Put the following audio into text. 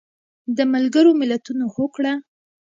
د ملګرو ملتونو هوکړه